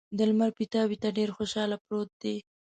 د لمر پیتاوي ته ډېر خوشحاله پروت دی.